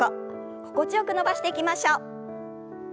心地よく伸ばしていきましょう。